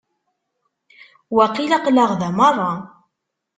Waqil aql-aɣ da merra.